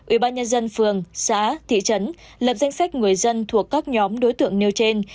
ủy ban nhân dân phường xã thị trấn lập danh sách người dân thuộc các nhóm đối tượng nêu trên